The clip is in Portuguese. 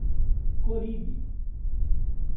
Coribe